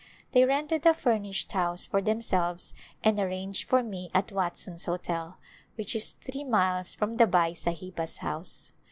They rented a furnished house for themselves and arranged for me at Watson's Hotel, which is three miles from the Bai Sahiba's house.